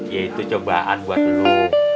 ya itu cobaan buat dulu